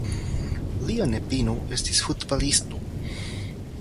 Lia nepino estis futbalisto.